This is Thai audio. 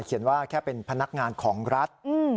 ว่าแค่เป็นพนักงานของรัฐ